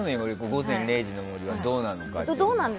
「午前０時の森」はどうなのかって。